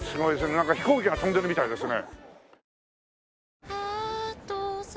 なんか飛行機が飛んでるみたいですね。